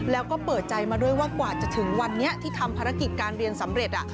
แล้วก็เปิดใจมาด้วยว่ากว่าจะถึงวันนี้ที่ทำภารกิจการเรียนสำเร็จ